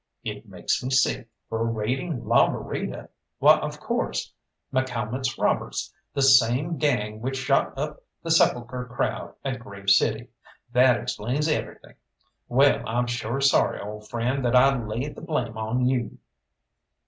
It makes me sick!" "For raiding La Morita? Why, of course McCalmont's robbers the same gang which shot up the 'Sepulchre' crowd at Grave City. That explains everything! Wall, I'm sure sorry, old friend, that I laid the blame on you."